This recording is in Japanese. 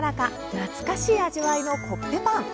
懐かしい味わいのコッペパン。